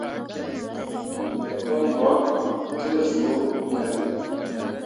Me ko mbwakke ah zuu gahne.